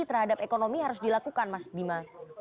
terhadap ekonomi harus dilakukan mas bima